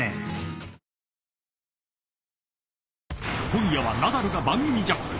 ［今夜はナダルが番組ジャック。